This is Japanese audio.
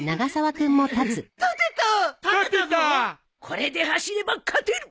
これで走れば勝てる！